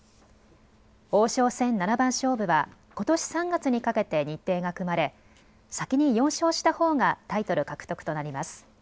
王将戦七番勝負はことし３月にかけて日程が組まれ先に４勝したほうがタイトル獲得となります。